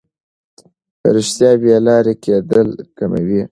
رښتیا بې لارې کېدل کموي.